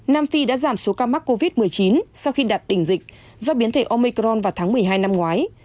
nam phi đã giảm số ca mắc covid một mươi chín sau khi đạt đỉnh dịch do biến thể omicron vào tháng một mươi hai năm ngoái